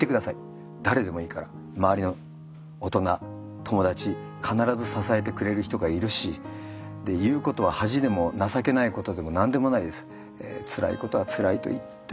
誰でもいいから周りの大人友達必ず支えてくれる人がいるし言うことは恥でも情けないことでも何でもないです。